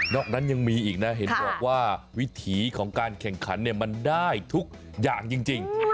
อกนั้นยังมีอีกนะเห็นบอกว่าวิถีของการแข่งขันมันได้ทุกอย่างจริง